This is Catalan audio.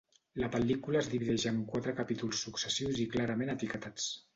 La pel·lícula es divideix en quatre capítols successius i clarament etiquetats.